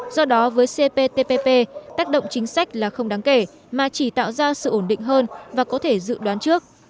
do đó với cptpp tác động chính sách là không đáng kể mà chỉ tạo ra sự ổn định hơn và có thể dự đoán trước